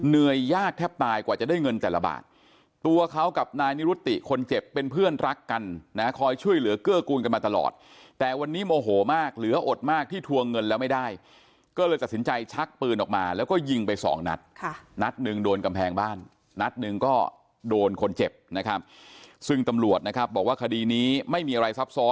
เหนื่อยยากแทบตายกว่าจะได้เงินแต่ละบาทตัวเขากับนายนิรุติคนเจ็บเป็นเพื่อนรักกันนะคอยช่วยเหลือเกื้อกูลกันมาตลอดแต่วันนี้โมโหมากเหลืออดมากที่ทวงเงินแล้วไม่ได้ก็เลยตัดสินใจชักปืนออกมาแล้วก็ยิงไปสองนัดค่ะนัดหนึ่งโดนกำแพงบ้านนัดหนึ่งก็โดนคนเจ็บนะครับซึ่งตำรวจนะครับบอกว่าคดีนี้ไม่มีอะไรซับซ้อ